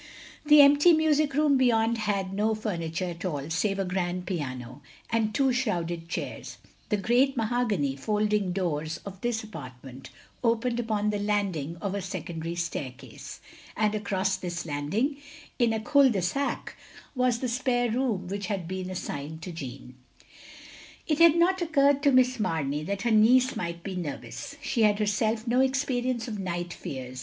The empty music room beyond had no ftimittire at all save a grand piano, and two shrouded chairs. The great nM,hogany folding doors of this apartment opened upon the landing of a secondary staircase; and across this landing, in a 34 THE LONELY LADY 35 cul de sac, was the spare room which had been assigned to Jeanne. It had not occurred to Miss Mamey that her niece might be nervous; she had herself no ex periaice of night fears.